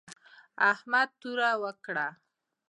احمد توره وکړه